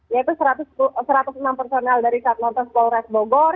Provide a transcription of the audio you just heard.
yaitu satu ratus enam personel dari satnotes polres bogor